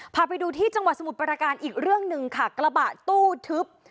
พาไปดูที่จังหวัดสมุทรประการอีกเรื่องหนึ่งค่ะกระบะตู้ทึบ